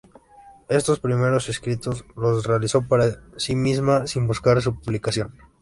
Estos primeros escritos los realizó para sí misma, sin buscar su publicación.